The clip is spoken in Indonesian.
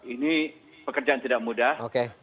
ini pekerjaan tidak mudah